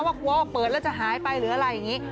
ว่ากลัวว่าเปิดแล้วจะหายไปหรืออะไรอย่างนี้